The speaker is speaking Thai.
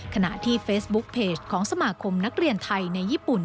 ขณะที่เฟซบุ๊คเพจของสมาคมนักเรียนไทยในญี่ปุ่น